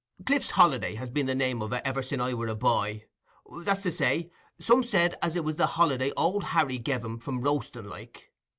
"Cliff's Holiday" has been the name of it ever sin' I were a boy; that's to say, some said as it was the holiday Old Harry gev him from roasting, like.